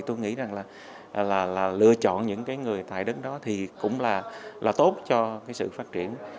tôi nghĩ lựa chọn những người tài đức đó cũng là tốt cho sự phát triển